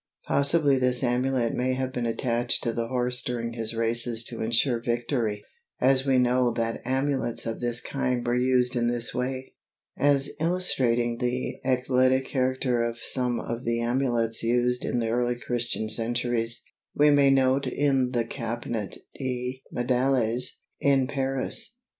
Possibly this amulet may have been attached to the horse during his races to insure victory, as we know that amulets of this kind were used in this way. As illustrating the eclectic character of some of the amulets used in the early Christian centuries, we may note one in the Cabinet de Médailles, in Paris.